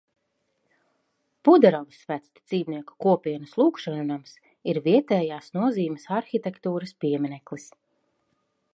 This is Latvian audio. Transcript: Puderovas vecticībnieku kopienas lūgšanu nams ir vietējās nozīmes arhitektūras piemineklis.